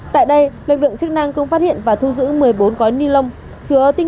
tại đây lực lượng chức năng cũng phát hiện và thu giữ một mươi bốn có nhân